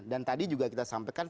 dan tadi juga kita sampaikan